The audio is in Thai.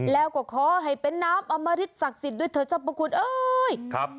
แล้วก็ขอให้เป็นน้ำอมริสต์ศักดิ์สิทธิ์ด้วยเถิดทรัพย์ประคุณเอ้ย